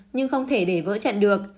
nhưng không thể để vỡ chặn được